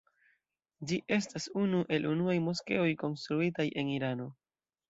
Ĝi estas unu el unuaj moskeoj konstruitaj en Irano.